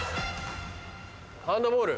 ハンドボール。